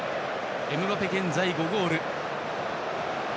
エムバペ、現在５ゴール。